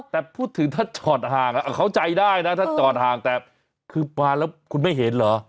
แต่พูดถึงถ้าจอดห่างเข้าใจได้นะถ้าจอดห่างแต่คือมาแล้วคุณไม่เห็นเหรอ